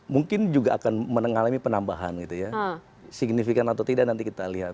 mungkin juga akan mengalami penambahan gitu ya signifikan atau tidak nanti kita lihat